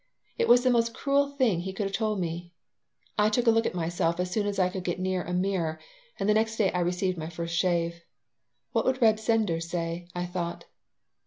It was the most cruel thing he could have told me. I took a look at myself as soon as I could get near a mirror, and the next day I received my first shave. "What would Reb Sender say?" I thought.